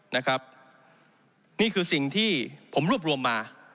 นะครับนี่คือสิ่งที่ผมรวบรวมมา